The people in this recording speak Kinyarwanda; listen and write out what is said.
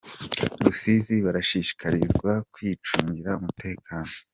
Rusizi barashishikarizwa kwicungira umutekano